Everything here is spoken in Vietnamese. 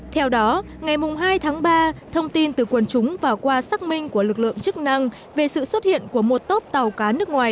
theo đó ngày hai tháng ba thông tin từ quần chúng và qua xác minh của lực lượng chức năng về sự xuất hiện của một tốp tàu cá nước ngoài